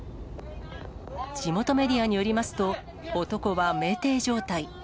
地元メディアによりますと、男はめいてい状態。